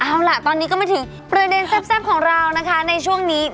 เอาล่ะตอนนี้ก็มาถึงประเด็นแซ่บของเรานะคะในช่วงนี้